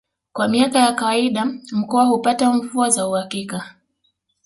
Kwa miaka ya kawaida mkoa hupata mvua za uhakika